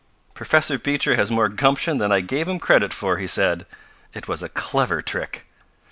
"Professor Beecher has more gumption than I gave him credit for," he said. "It was a clever trick!"